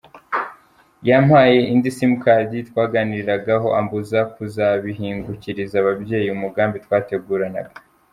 Yampaye indi simukadi twaganiriragaho ambuza kuzabihingukiriza ababyeyi umugambi twateguranaga.